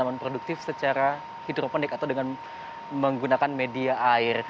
dan yang diproduksi secara hidroponik atau dengan menggunakan media air